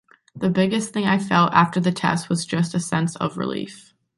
The biggest thing I felt after the test was just a sense of relief.